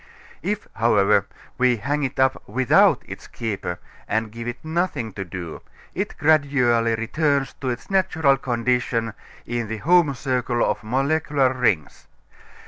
If, however, we hang it up without its "keeper," and give it nothing to do, it gradually returns to its natural condition in the home circle of molecular rings.